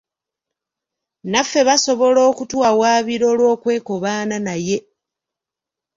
Naffe basobola okutuwawaabira olw'okwekobaana naye.